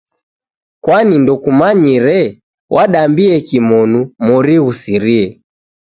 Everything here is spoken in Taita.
Kwani ndokumanyire? Wadambie kimonu mori ghusirie